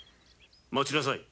・待ちなさい！